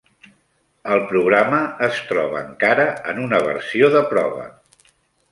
El programa es troba encara en una versió de prova.